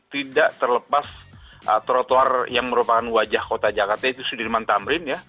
tidak terlepas trotoar yang merupakan wajah kota jakarta yaitu sudirman tamrin ya